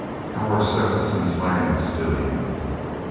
How are Svenson's lambs doing?"